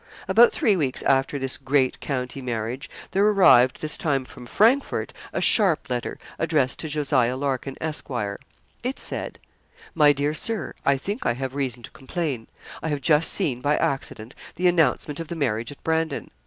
About three weeks after this great county marriage, there arrived, this time from Frankfort, a sharp letter, addressed to Jos. Larkin, Esq. It said: 'My Dear Sir, I think I have reason to complain. I have just seen by accident the announcement of the marriage at Brandon.